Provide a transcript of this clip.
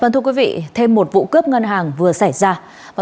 thưa quý vị thêm một vụ cướp ngân hàng vừa xảy ra